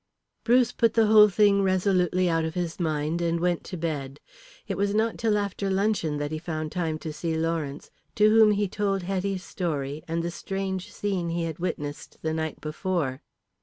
Bruce put the whole thing resolutely out of his mind, and went to bed. It was not till after luncheon that he found time to see Lawrence, to whom he told Hetty's story and the strange scene he had witnessed the night before.